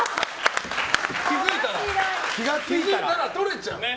気づいたらとれちゃう？